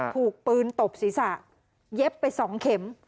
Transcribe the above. ถูกปืนตบศีรษะเย็บไป๒เข็ม